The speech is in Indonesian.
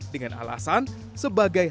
dengan alasan sebagai